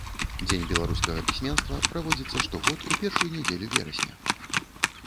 Дзень беларускага пісьменства праводзіцца штогод у першую нядзелю верасня.